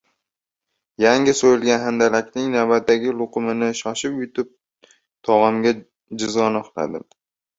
Yangi so‘yilgan handalakning navbatdagi luqumini shoshib yutib, tog‘amga jizg‘anoqlandim: